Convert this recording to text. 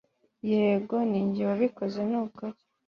yego nijye wabikoze nukuri